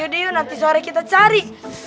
yuk nanti sore kita cari